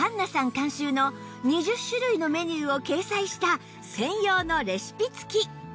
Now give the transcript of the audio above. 監修の２０種類のメニューを掲載した専用のレシピ付き